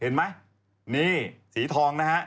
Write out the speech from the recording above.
นี่สีทอง